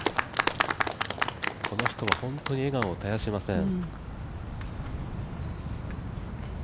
この人は本当に笑顔を絶やしません。